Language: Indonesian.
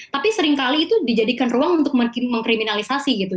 tapi seringkali itu dijadikan ruang untuk mengkriminalisasi gitu